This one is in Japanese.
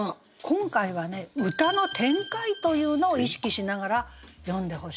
今回はね歌の展開というのを意識しながら詠んでほしいんですね。